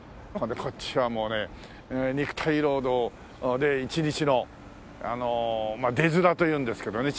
こっちはもうね肉体労働で一日の出面というんですけどね